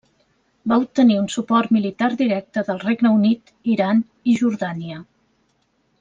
Va obtenir un suport militar directe del Regne Unit, Iran i Jordània.